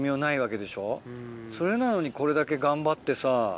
それなのにこれだけ頑張ってさ。